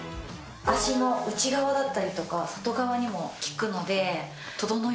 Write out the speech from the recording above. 脚の内側だったりとか外側にも効くので整います。